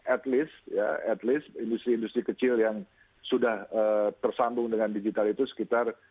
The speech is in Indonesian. at least at least industri industri kecil yang sudah tersambung dengan digital itu sekitar